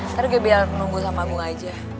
ntar gue biar nunggu sama agung aja